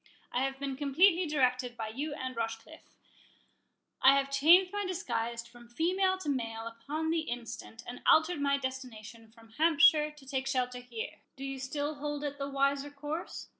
—I have been completely directed by you and Rochecliffe—I have changed my disguise from female to male upon the instant, and altered my destination from Hampshire to take shelter here—Do you still hold it the wiser course?"